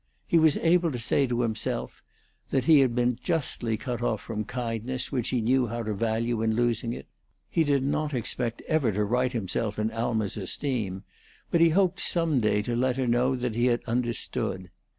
He was able to say to himself that he had been justly cut off from kindness which he knew how to value in losing it. He did not expect ever to right himself in Alma's esteem, but he hoped some day to let her know that he had understood.